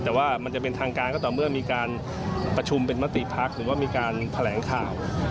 แต่ว่ามันจะเป็นทางการก็ต่อเมื่อมีการประชุมเป็นมติพักหรือว่ามีการแถลงข่าว